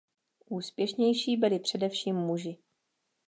Úspěšnější byli především muži.